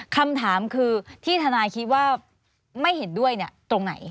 คำถามคือที่ทนายคิดว่าไม่เห็นด้วยตรงไหน